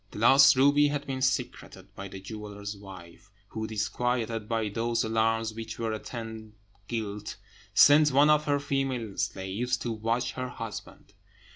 The lost ruby had been secreted by the jeweller's wife, who, disquieted by those alarms which ever attend guilt, sent one of her female slaves to watch her husband.